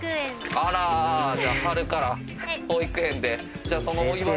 あら！じゃあ春から保育園で。